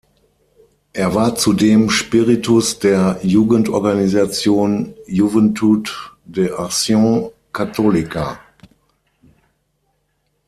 Er war zudem Spiritus der Jugendorganisation „Juventud de Acción Católica“.